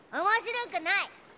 面白くない。